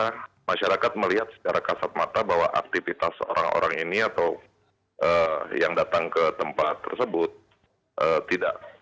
karena masyarakat melihat secara kasat mata bahwa aktivitas orang orang ini atau yang datang ke tempat tersebut tidak